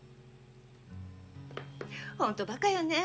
本当バカよね。